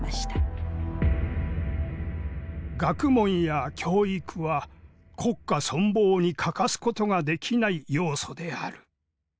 学問や教育は国家存亡に欠かすことができない要素である。